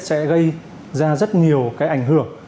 sẽ gây ra rất nhiều cái ảnh hưởng